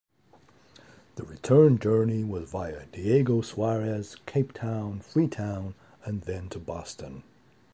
The return journey was via Diego Suarez, Capetown, Freetown and then to Boston.